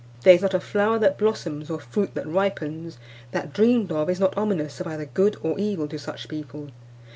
There is not a flower that blossoms, or fruit that ripens, that, dreamed of, is not ominous of either good or evil to such people.